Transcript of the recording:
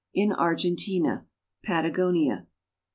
IN ARGENTINA— PATAGONIA.